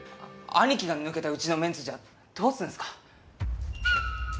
アニキが抜けたうちのメンツじゃどうすんすか？